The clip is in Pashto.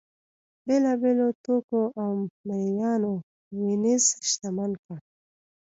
بېلابېلو توکو او مریانو وینز شتمن کړ.